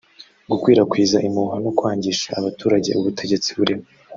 gukwirakwiza impuha no kwangisha abaturage ubutegetsi buriho